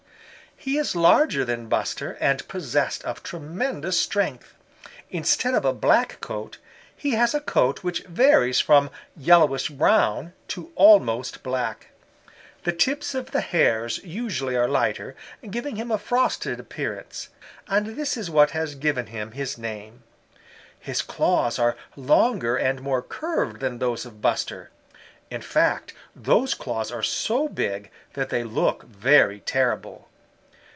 "He is larger than Buster and possessed of tremendous strength. Instead of a black coat, he has a coat which varies from yellowish brown to almost black. The tips of the hairs usually are lighter, giving him a frosted appearance, and this is what has given him his name. His claws are longer and more curved than those of Buster; in fact those claws are so big that they look very terrible.